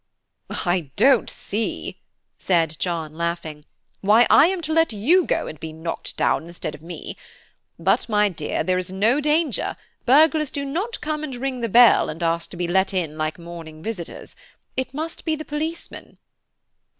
"I don't see," said John, laughing, "why I am to let you go and be knocked down instead of me; but, my dear, there is no danger; burglars do not come and ring the bell and ask to be let in like morning visitors. It must be the policeman."